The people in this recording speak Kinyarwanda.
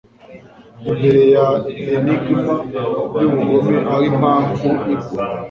Imbere ya enigma yubugome aho impamvu igwa